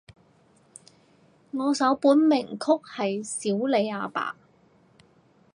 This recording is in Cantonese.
我首本名曲係少理阿爸